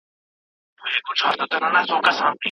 لارښود د محصل د کار ستاینه کوي.